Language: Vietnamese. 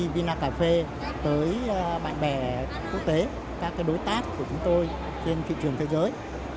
vina cà phê tới bạn bè quốc tế các đối tác của chúng tôi trên thị trường thế giới